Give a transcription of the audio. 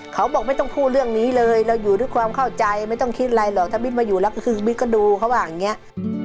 เขาบอกไม่ต้องพูดเรื่องนี้เลยเราอยู่ด้วยความเข้าใจไม่ต้องคิดอะไรหรอกถ้าบิ๊กมาอยู่แล้วก็คือบิ๊กก็ดูเขาว่าอย่างนี้